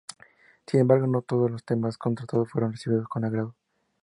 Sin embargo, no todos los temas tratados fueron recibidos con agrado.